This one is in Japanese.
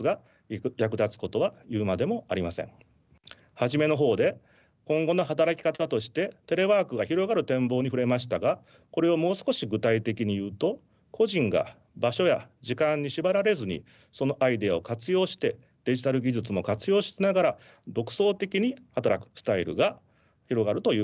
初めのほうで今後の働き方としてテレワークが広がる展望に触れましたがこれをもう少し具体的に言うと個人が場所や時間に縛られずにそのアイデアを活用してデジタル技術も活用しながら独創的に働くスタイルが広がるということなのです。